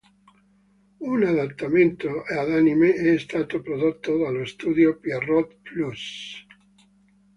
Un adattamento ad anime è stato prodotto dallo studio Pierrot Plus.